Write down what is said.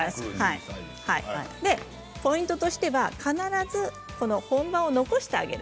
ポイントとしては必ず本葉を残してあげる。